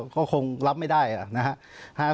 ก็คงรับไม่ได้นะครับ